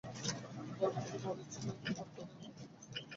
হরিমোহিনী কহিলেন, তোমার কথা অনেক শুনেছি বাবা!